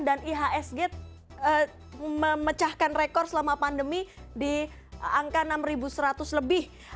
dan ihsg memecahkan rekor selama pandemi di angka enam seratus lebih